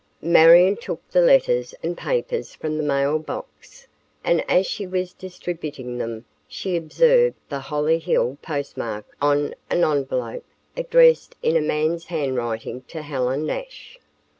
Marion took the letters and papers from the mail box, and as she was distributing them she observed the Hollyhill postmark on an envelope addressed in a man's handwriting to Helen Nash.